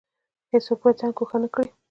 هیڅوک باید ځان ګوښه نکړي